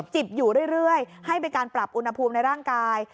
จิบอยู่เรื่อยให้เป็นการปรับอุณหภูมิในร่างกาย